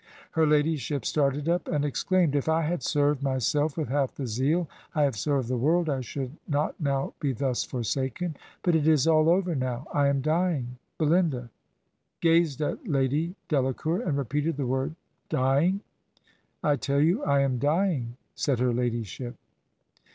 ... Her ladyship started up and exclaimed, 'If I had served myself with half the zeal I have served the world I should not now be thus forsaken. ... But it is all over now. I am dying.' ... Belinda ... gazed at Lady Delacour, and repeated the word, 'Dy ing!' ' I tell you I am dying,' said her ladyship."